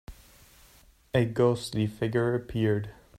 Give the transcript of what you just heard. A ghostly figure appeared.